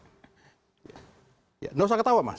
tidak usah ketawa mas